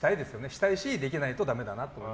したいしできないとダメだなって。